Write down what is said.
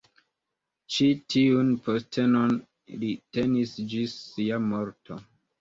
Ĉi tiun postenon li tenis ĝis sia morto.